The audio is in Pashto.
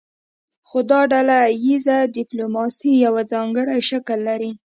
خو دا ډله ایزه ډیپلوماسي یو ځانګړی شکل لري